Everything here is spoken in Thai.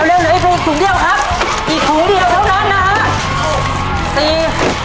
เร็วเหลืออีกถุงเดียวครับอีกถุงเดียวเท่านั้นนะฮะ